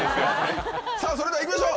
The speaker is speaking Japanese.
さぁそれでは行きましょう！